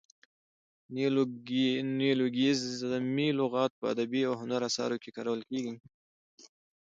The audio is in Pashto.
نیولوګیزمي لغاتونه په ادبي او هنري اثارو کښي کارول کیږي.